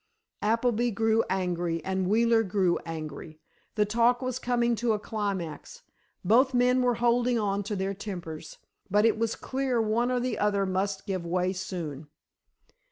Appleby grew angry and Wheeler grew angry. The talk was coming to a climax, both men were holding on to their tempers, but it was clear one or the other must give way soon.